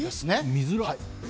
見づらい。